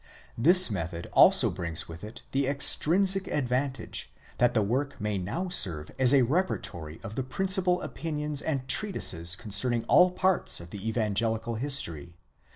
This method also brings with it the extrinsic advantage, that the work may now serve as a repertory of the principal opinions and treatises concerning all parts of the evangelical history.